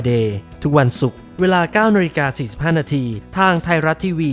รูปแบบไหนก็ได้